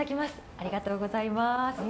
ありがとうございます。